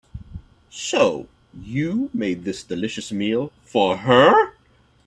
So, you made this delicious meal for her?